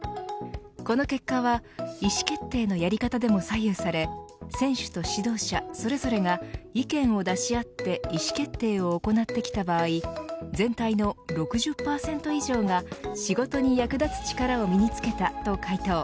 この結果は意思決定のやり方でも左右され選手と指導者、それぞれが意見を出し合って意思決定を行ってきた場合全体の６０％以上が仕事に役立つ力を身に付けたと回答。